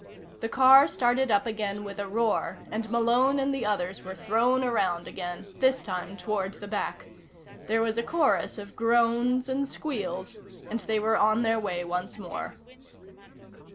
The car started up again with a roar and Malone and the others were thrown around again, this time toward the back. There was a chorus of groans and squeals, and they were on their way once more.